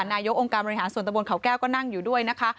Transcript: นายกองค์การบริหารส่วนตะบนเขาแก้วก็นั่งอยู่ด้วยนะคะ